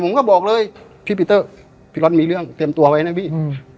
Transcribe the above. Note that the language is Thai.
ผมก็บอกเลยพี่ปีเตอร์พี่รถมีเรื่องเตรียมตัวไว้นะพี่อืม